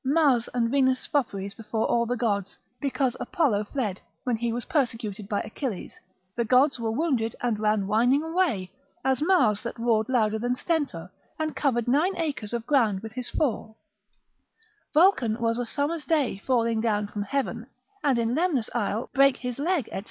Mars and Venus' fopperies before all the gods, because Apollo fled, when he was persecuted by Achilles, the gods were wounded and ran whining away, as Mars that roared louder than Stentor, and covered nine acres of ground with his fall; Vulcan was a summer's day falling down from heaven, and in Lemnos Isle brake his leg, &c.